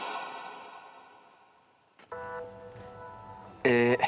え